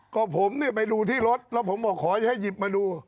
ก็ผมเนี่ยไปดูที่รถแล้วผมบอกขอให้หยิบมาดู